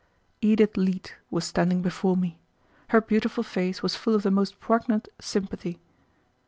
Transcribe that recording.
Edith Leete was standing before me. Her beautiful face was full of the most poignant sympathy.